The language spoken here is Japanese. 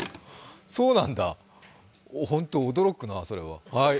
そうなんだ、ホント、驚くな、それは。